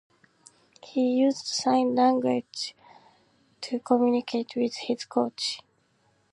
He used sign language to communicate with his coach.